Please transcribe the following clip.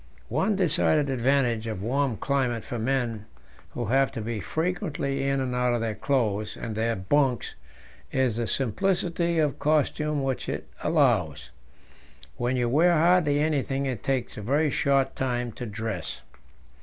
One decided advantage of a warm climate for men who have to be frequently in and out of their clothes and their bunks is the simplicity of costume which it allows. When you wear hardly anything it takes a very short time to dress.